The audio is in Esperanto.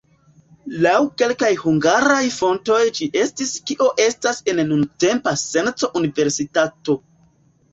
Laŭ kelkaj hungaraj fontoj ĝi estis kio estas en nuntempa senco universitato.